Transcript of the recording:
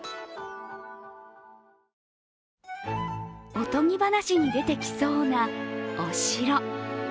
おとぎ話に出てきそうなお城。